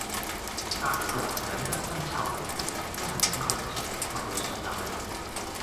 隔離嗰男人 ㄧ 身臭狐味，真係頂佢唔順，聞到想嘔